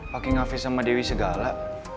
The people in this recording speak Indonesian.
pake ngefes sama dewi segala